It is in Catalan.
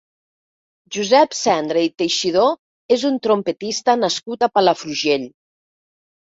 Josep Sendra i Teixidor és un trompetista nascut a Palafrugell.